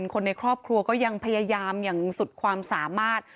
คนในครอบครัวก็ยังพยายามอย่างสุดความสามารถ